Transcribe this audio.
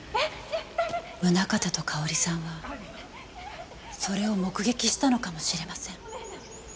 宗形と佳保里さんはそれを目撃したのかもしれません。